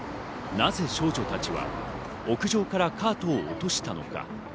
なぜ少女たちは屋上からカートを落としたのか。